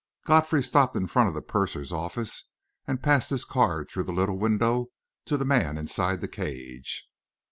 Godfrey stopped in front of the purser's office, and passed his card through the little window to the man inside the cage.